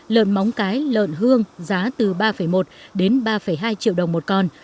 lợn móng cái lợn hương giá từ ba một đến ba hai triệu đồng một con